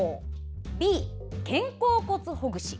Ｂ、肩甲骨ほぐし。